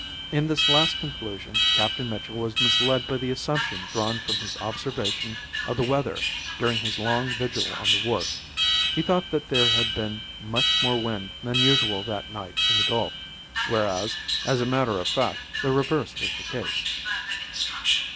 In this last conclusion Captain Mitchell was misled by the assumption drawn from his observation of the weather during his long vigil on the wharf. He thought that there had been much more wind than usual that night in the gulf; whereas, as a matter of fact, the reverse was the case.